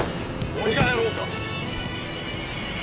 俺がやろうか！